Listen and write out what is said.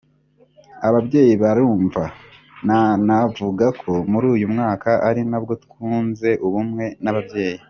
Ababyeyi barabyumva nanavuga ko muri uyu mwaka ari nabwo twunze ubumwe n’ababyeyi